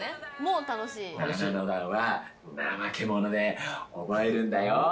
７の段は、ナマケモノで覚えるんだよ！